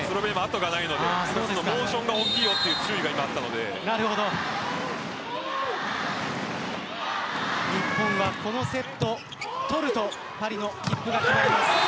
スロベニア、あとがないのでモーションが大きいよという日本はこのセットを取るとパリへの切符が決まります。